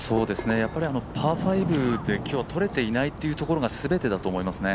パー５で今日は取れていないというところが全てだと思いますね。